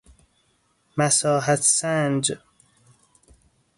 مساحت سنج